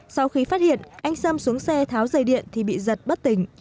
sau khi phát hiện anh sâm xuống xe tháo dây điện thì bị giật bất tỉnh